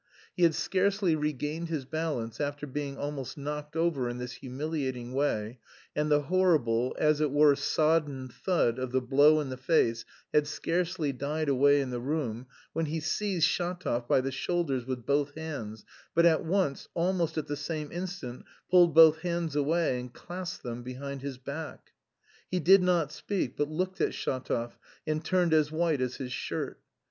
He had scarcely regained his balance after being almost knocked over in this humiliating way, and the horrible, as it were, sodden, thud of the blow in the face had scarcely died away in the room when he seized Shatov by the shoulders with both hands, but at once, almost at the same instant, pulled both hands away and clasped them behind his back. He did not speak, but looked at Shatov, and turned as white as his shirt.